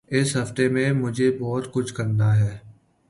اس ہفتے میں مجھے بہت کچھ کرنا ہے۔